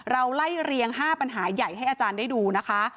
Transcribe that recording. ไล่เรียง๕ปัญหาใหญ่ให้อาจารย์ได้ดูนะคะ